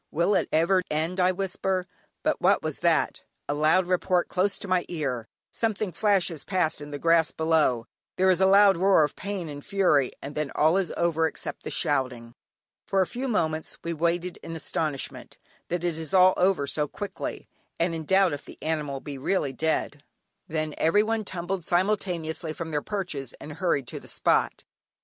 "Will it never end?" I whisper. But what was that? A loud report close to my ear; something flashes past in the grass below, there is a loud roar of pain and fury, and then "all is over except the shouting." For a few moments we waited in astonishment that it is all over so quickly, and in doubt if the animal be really dead. Then everyone tumbled simultaneously from their perches and hurried to the spot.